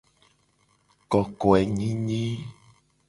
Kokoenyinyi.